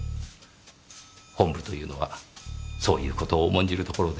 本部というのはそういう事を重んじる所でして。